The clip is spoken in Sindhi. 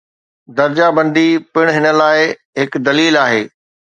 درجه بندي پڻ هن لاء هڪ دليل آهي.